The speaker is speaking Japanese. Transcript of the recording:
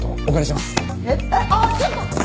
あっちょっと！